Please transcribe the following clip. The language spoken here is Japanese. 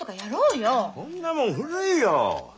そんなもん古いよ。